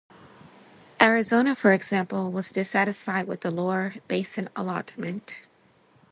Arizona, for example, was dissatisfied with the lower basin allotment.